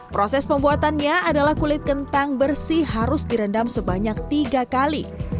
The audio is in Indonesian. proses pembuatannya adalah kulit kentang bersih harus direndam sebanyak tiga kali